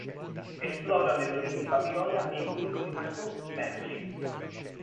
Esplora le rovine di Babilonia e i cunicoli nascosti di Menfi.